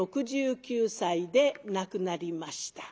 え６９歳で亡くなりました。